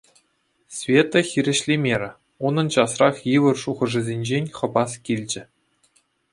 Света хирӗҫлемерӗ. Унӑн часрах йывӑр шухӑшсенчен хӑпас килчӗ.